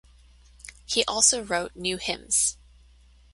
He also wrote new hymns.